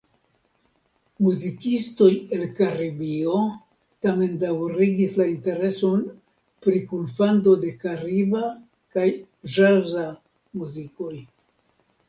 Muzikistoj el Karibio tamen daŭrigis la intereson pri kunfando de kariba kaj ĵaza muzikoj.